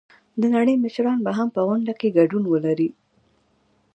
د نړۍ مشران به هم په غونډه کې ګډون ولري.